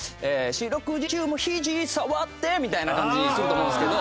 「四六時中もひじ触って」みたいな感じにすると思うんですけど。